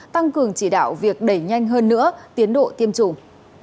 tăng cường chỉ đạo việc đẩy nhanh hơn nữa tiến độ tiêm chủng